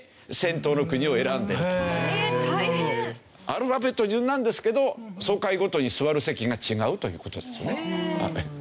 アルファベット順なんですけど総会ごとに座る席が違うという事ですね。